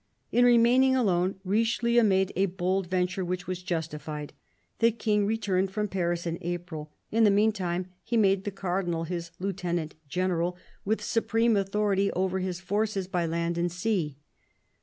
In remaining alone, Richelieu made a bold venture which was justified. The King returned from Paris in April ; in the meanwhile, he made the Cardinal his lieutenant general, with supreme authority over his forces by land and sea.